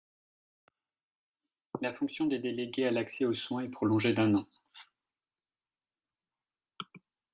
La fonction des délégués à l'accès aux soins est prolongée d'un an.